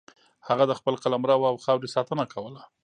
هغه د خپل قلمرو او خاورې ساتنه کوله.